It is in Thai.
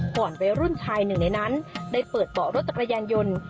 ห่อนแววรุ่นชายหนึ่งในนั้นได้เปิดบ่อรถจักรยานยนต์